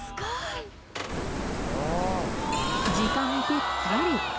時間ぴったり。